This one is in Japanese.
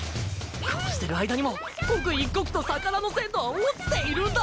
こうしてる間にも刻一刻と魚の鮮度は落ちているんだ。